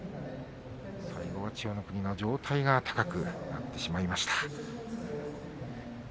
最後は千代の国の上体が高くなってしまいました。